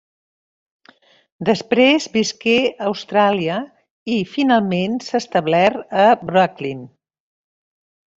Després visqué a Austràlia i finalment s'ha establert a Brooklyn.